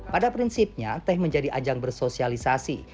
pada prinsipnya teh menjadi ajang bersosialisasi